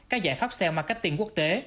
các giải pháp xeo marketing quốc tế